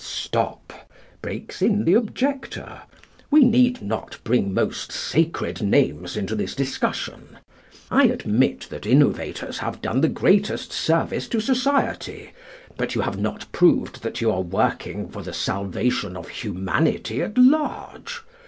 "Stop," breaks in the objector: "We need not bring most sacred names into this discussion. I admit that innovators have done the greatest service to society. But you have not proved that you are working for the salvation of humanity at large.